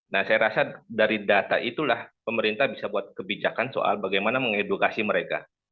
nah saya rasa dari data itulah pemerintah bisa buat kebijakan soal bagaimana mengedukasi mereka